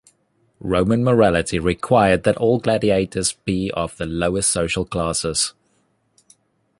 Roman morality required that all gladiators be of the lowest social classes.